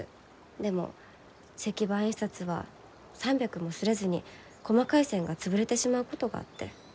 でも石版印刷は３００も刷れずに細かい線が潰れてしまうことがあって。